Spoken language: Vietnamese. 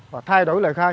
và thay đổi lời khai